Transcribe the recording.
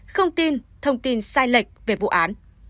không tin thông tin sai lệch về vụ án